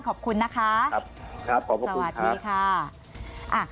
ขอบคุณนะคะขอบคุณครับสวัสดีค่ะ